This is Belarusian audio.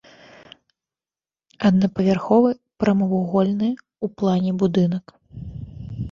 Аднапавярховы прамавугольны ў плане будынак.